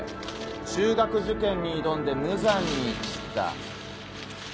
中学受験に挑んで無残に散った。